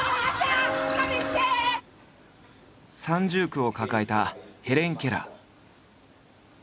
三重苦を抱えたヘレン・ケラー。